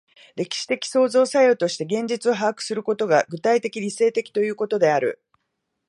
歴史的創造作用として現実を把握することが、具体的理性的ということである。